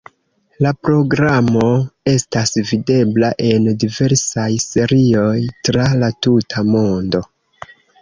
La programo estas videbla, en diversaj serioj, tra la tuta mondo.